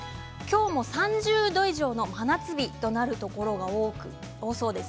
３０度以上の真夏日となるところが多そうです。